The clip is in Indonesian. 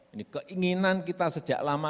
ini keinginan kita sejak lama